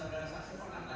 ada di petisita ya